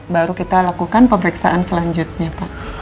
baru kita lakukan pemeriksaan selanjutnya pak